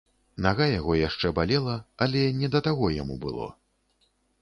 Нага яго яшчэ балела, але не да таго яму было.